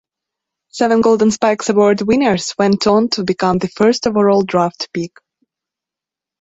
Seven Golden Spikes Award winners went on to become the first overall draft pick.